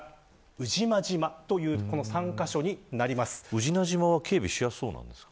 宇品島は警備しやすそうなんですか。